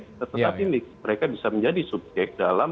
tetapi mereka bisa menjadi subjek dalam